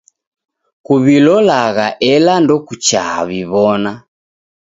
Kuw'ilolagha ela ndokuchaa w'iw'ona.